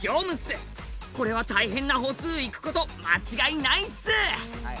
これは大変な歩数いく事間違いないっす！